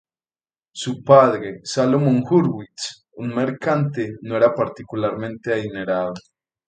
Su padre, Salomon Hurwitz, un mercante, no era particularmente adinerado.